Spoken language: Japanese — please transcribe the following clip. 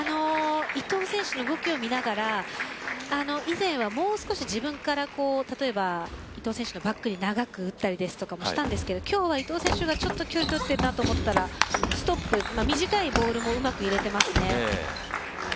伊藤選手の動きを見ながら以前は、もう少し自分から伊藤選手のバックに長く打ったりですとかもしたんですけど今日は伊藤選手がストップ、短いボールもうまく入れてます。